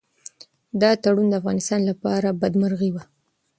دا تړون د افغانستان لپاره بدمرغي وه.